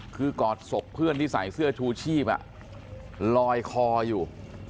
คือกอดศพเพื่อนที่ใส่เสื้อชูชีพลอยคออยู่